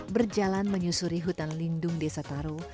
berjalan menyusuri hutan lindung desa taru